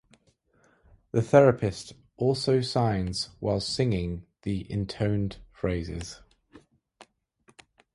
The therapist also signs while singing the intoned phrases.